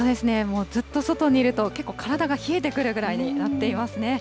もうずっと外にいると、結構、体が冷えてくるぐらいになっていますね。